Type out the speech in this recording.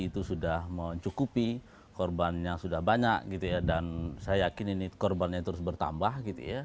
itu sudah mencukupi korbannya sudah banyak dan saya yakin ini korbannya terus bertambah